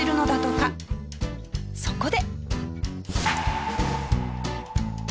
そこで。